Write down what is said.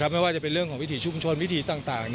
ไม่ว่าจะเป็นเรื่องของวิถีชุมชนวิถีต่าง